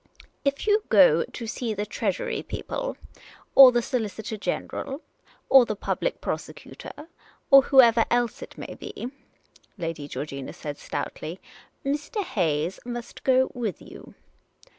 If you go to see the Treasury people, or the Solicitor General, or the Public Prosecutor, or whoever else it may be," Lady Georgina said, stoutly, " Mr. Hayes must go with you.